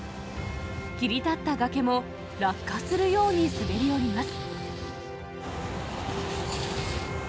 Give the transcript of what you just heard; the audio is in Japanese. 切り立った崖も落下するように滑り降ります。